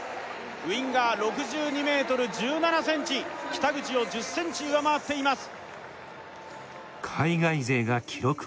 ウィンガー６２ｍ１７ｃｍ北口を１０ｃｍ上回っています